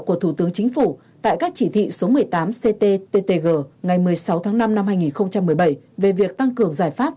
của thủ tướng chính phủ tại các chỉ thị số một mươi tám cttg ngày một mươi sáu tháng năm năm hai nghìn một mươi bảy về việc tăng cường giải pháp